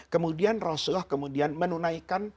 kemudian rasulullah kemudian menunaikan